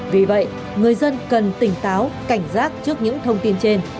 vì vậy người dân cần tỉnh táo cảnh giác trước những thông tin trên